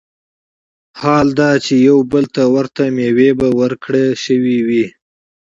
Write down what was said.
حال دا چي يوې بلي ته ورته مېوې به وركړى شوې وي